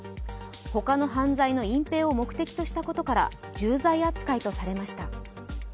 ほかの犯罪の隠蔽を目的としたことから重罪扱いとされました。